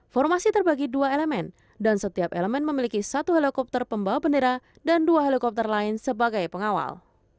formasi terbagi dua elemen dan setiap elemen memiliki satu helikopter pembawa bendera dan dua helikopter lain sebagai pengawal